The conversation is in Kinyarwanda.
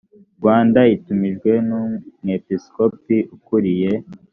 rwanda itumijwe n umwepisikopi ukuriye